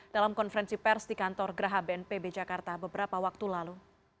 dalam konferensi pers di kantor geraha bnpb jakarta beberapa waktu lalu